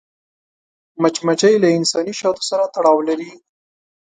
مچمچۍ له انساني شاتو سره تړاو لري